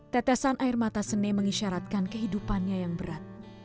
tetesan air mata sene mengisyaratkan kehidupannya yang berat